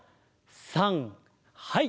さんはい！